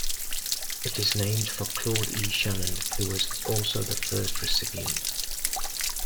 It is named for Claude E. Shannon, who was also the first recipient.